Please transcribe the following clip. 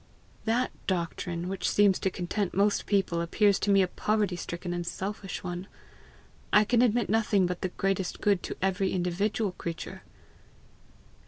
"That doctrine, which seems to content most people, appears to me a poverty stricken and selfish one. I can admit nothing but the greatest good to every individual creature."